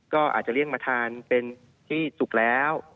ก็อาจจะเลี่ยงมาทานเป็นที่สุกแล้ว